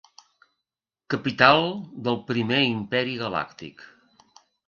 Capital del Primer Imperi Galàctic.